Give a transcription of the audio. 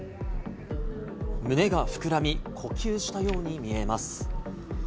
胸が膨らみ呼吸したように見えます。